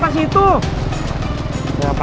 pak berdiri dulu pak berdiri pak